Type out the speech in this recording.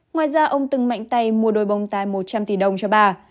ngoài ra ông từng mạnh tay mua đôi bông tai một trăm linh tỷ đồng cho bà